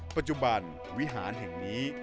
ปัจจุบันวิหารแห่งนี้